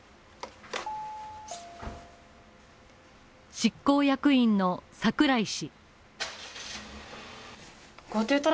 執行役員の櫻井氏。